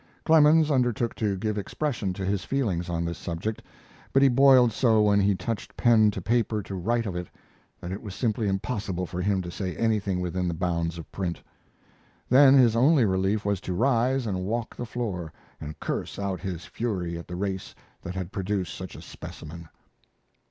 ] Clemens undertook to give expression to his feelings on this subject, but he boiled so when he touched pen to paper to write of it that it was simply impossible for him to say anything within the bounds of print. Then his only relief was to rise and walk the floor, and curse out his fury at the race that had produced such a specimen.